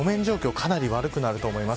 かなり悪くなると思います。